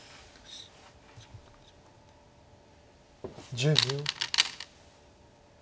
１０秒。